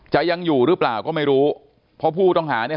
ยังอยู่หรือเปล่าก็ไม่รู้เพราะผู้ต้องหาเนี่ย